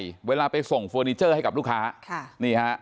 ผู้ตายเวลาไปส่งเฟอร์นิเจอร์ให้กับลูกค้า